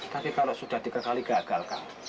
tapi kalau sudah tiga kali gagal